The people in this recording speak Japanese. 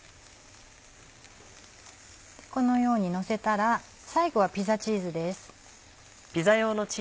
このようにのせたら最後はピザチーズです。